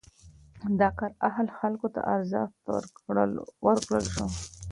د کار اهل خلکو ته ارزښت ورکړل شو.